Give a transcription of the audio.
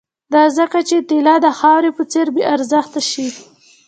دا ځکه چې طلا د خاورې په څېر بې ارزښته شي